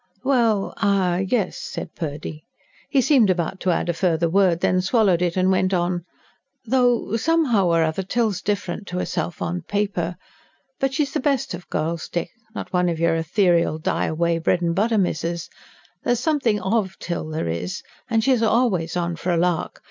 "Well, er ... yes," said Purdy. He seemed about to add a further word, then swallowed it, and went on: "Though, somehow or other, Till's different to herself, on paper. But she's the best of girls, Dick. Not one o' your ethereal, die away, bread and butter misses. There's something OF Till there is, and she's always on for a lark.